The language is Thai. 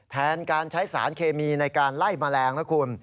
แทนการใช้สารเคมีในการไล่แมลงนะคุณ